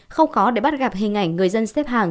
không khó để bắt gặp hình ảnh người dân xếp hàng